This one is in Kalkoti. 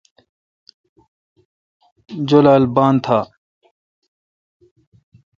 جولال بان تھا۔